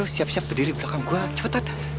siap siap berdiri belakang gue cepetan